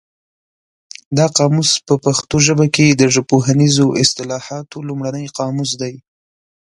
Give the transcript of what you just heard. دا قاموس په پښتو ژبه کې د ژبپوهنیزو اصطلاحاتو لومړنی قاموس دی.